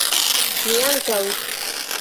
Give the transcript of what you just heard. Mi ankaŭ!